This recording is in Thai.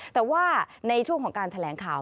แต่ว่าในช่วงของการแถลงข่าว